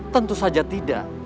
tentu saja tidak